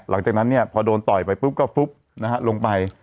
หลังจากนั้นเนี่ยพอโดนต่อยไปปุ๊บก็ฟุบนะฮะลงไป